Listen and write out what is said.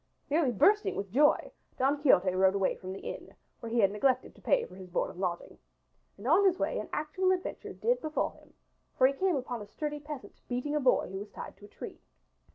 Nearly bursting with joy Don Quixote rode away from the inn where he had neglected to pay for his board and lodging. And on his way an actual adventure did befall him for he came upon a sturdy peasant beating a boy who was tied to a tree.